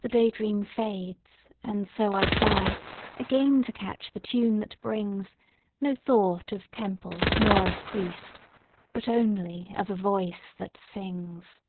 The day dream fades and so I try Again to catch the tune that brings No thought of temple nor of priest, But only of a voice that sings.